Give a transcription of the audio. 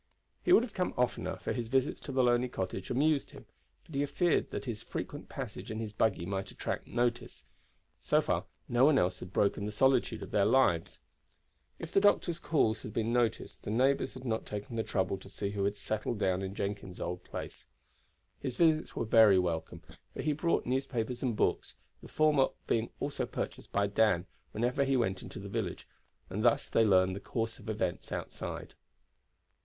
He would have come oftener, for his visits to the lonely cottage amused him; but he feared that his frequent passage in his buggy might attract notice. So far no one else had broken the solitude of their lives. If the doctor's calls had been noticed, the neighbors had not taken the trouble to see who had settled down in Jenkins' old place. His visits were very welcome, for he brought newspapers and books, the former being also purchased by Dan whenever he went into the village, and thus they learned the course of events outside.